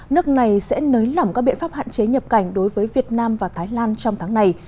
nước này sẽ nới lỏng các biện pháp hạn chế nhập cảnh đối với việt nam và thái lan trong tháng này